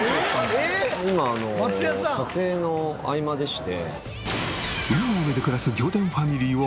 今あの撮影の合間でして。